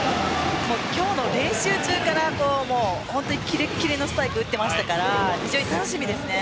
今日の練習中からきれっきれのスパイクを打っていましたから非常に楽しみです。